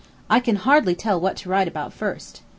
I can hardly tell what to write about first.